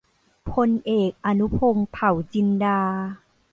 พลเอก อนุพงษ์ เผ่าจินดา